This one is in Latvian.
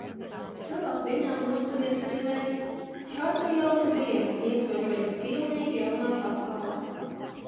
Savā ziņā mostamies arī mēs – ar katru jaunu dienu iesoļojot pilnīgi jaunā pasaulē.